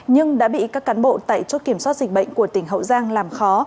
nhưng đã bị các cán bộ tại chốt kiểm soát dịch bệnh của tỉnh hậu giang làm khó